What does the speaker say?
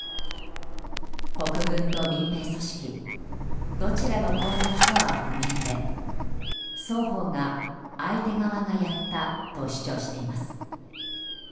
国軍と民兵組織どちらの攻撃かは不明で双方が、相手側がやったと主張しています。